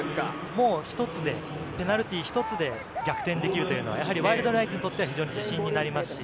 もう１つで、ペナルティー１つで逆転できるというのは、やはりワイルドナイツにとっては自信になりますし、